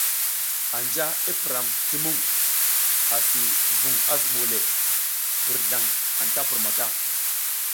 Anja i piram ti mung asi vung a zubole, wurzlang anta pur mata.